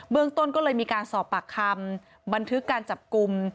เรื่องต้นก็เลยมีการสอบปากคำบันทึกการจับกลุ่ม